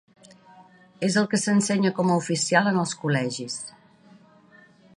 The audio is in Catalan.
És el que s’ensenya com a oficial en els col·legis.